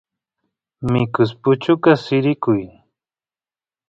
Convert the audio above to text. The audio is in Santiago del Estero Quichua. mikus puchukas sirikuy